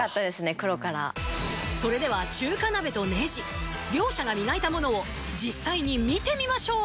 黒からそれでは中華鍋とネジ両者が磨いたものを実際に見てみましょう！